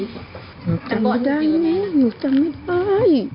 หนูจำไม่ได้แม่หนูจำไม่ได้